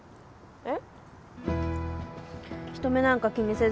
えっ！？